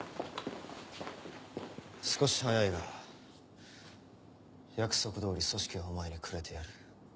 少し早いが約束通り組織はお前にくれてやる。